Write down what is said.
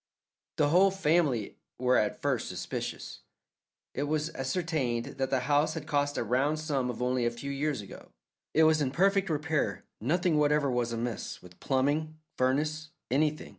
The whole family were at first suspicious. It was ascertained that the house had cost a round sum only a few years ago; it was in perfect repair; nothing whatever was amiss with plumbing, furnace, anything.